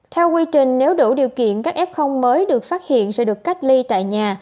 theo quy trình nếu đủ điều kiện các f mới được phát hiện sẽ được cách ly tại nhà